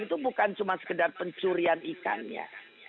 itu bukan cuma sekedar pencurian ikannya